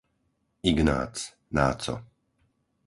Ignác, Náco